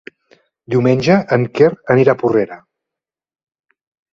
Diumenge en Quer anirà a Porrera.